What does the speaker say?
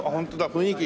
雰囲気。